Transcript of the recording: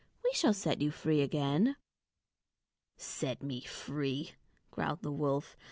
We shall set you free again." "Set me free!" growled the wolf.